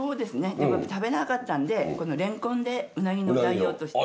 でも食べなかったんでこのれんこんでウナギの代用として。